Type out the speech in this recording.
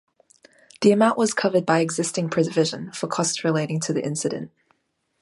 The amount was covered by existing provision for costs relating to the incident.